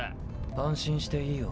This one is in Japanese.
安心していいよ。